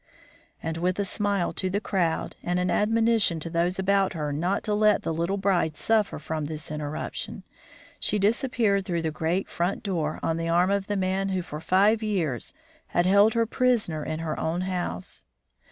And, with a smile to the crowd and an admonition to those about her not to let the little bride suffer from this interruption, she disappeared through the great front door on the arm of the man who for five years had held her prisoner in her own house.